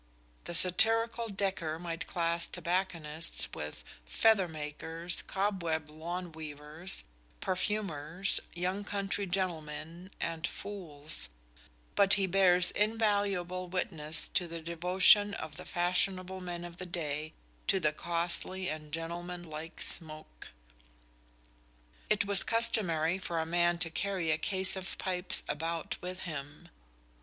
The satirical Dekker might class "tobacconists" with "feather makers, cobweb lawne weavers, perfumers, young country gentlemen and fools," but he bears invaluable witness to the devotion of the fashionable men of the day to the "costlye and gentleman like Smoak." It was customary for a man to carry a case of pipes about with him.